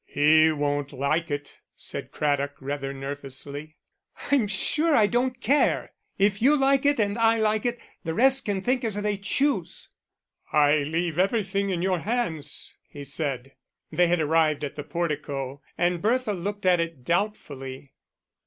"He won't like it," said Craddock, rather nervously. "I'm sure I don't care. If you like it and I like it, the rest can think as they choose." "I leave everything in your hands," he said. They had arrived at the portico, and Bertha looked at it doubtfully.